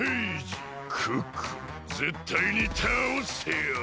クックルンぜったいにたおしてやる！